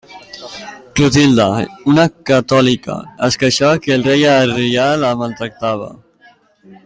Clotilde, una catòlica, es queixava que el rei arrià la maltractava.